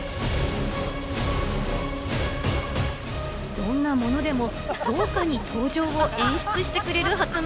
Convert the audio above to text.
どんなものでも豪華に登場を演出してくれる発明